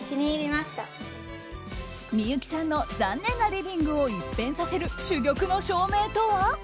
幸さんの残念なリビングを一変させる珠玉の照明とは？